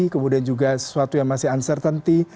kemudian juga sesuatu yang masih uncertainty